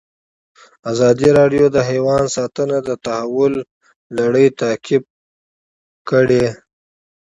ازادي راډیو د حیوان ساتنه د تحول لړۍ تعقیب کړې.